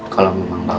kalau memang bapak